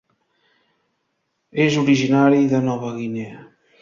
És originari de Nova Guinea.